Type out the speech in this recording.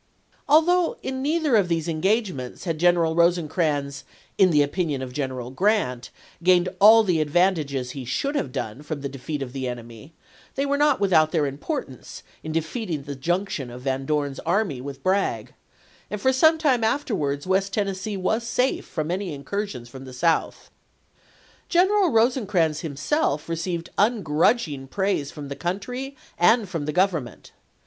Although in neither of these engagements had General Eose crans, in the opinion of General Grant, gained all the advantages he should have done from the defeat of the enemy, they were not without their importance in defeating the junction of Van Dora's army with Bragg, and for some time afterwards West Tennessee was safe from any incursions from the south. General Eosecrans himself received ungrudging praise from the country and from the Government.